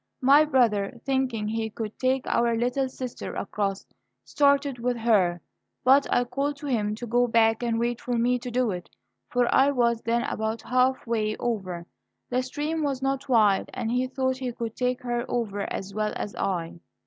My brother, thinking he could take our little sister across, started with her, but I called to him to go back and wait for me to do it; for I was then about half way over. The stream was not wide, and he thought he could take her over as well as I.